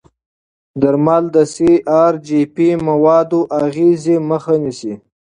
درمل د سی ار جي پي موادو اغېزې مخه نیسي.